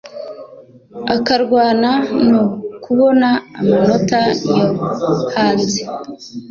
akarwana no kubona amanota yo hanze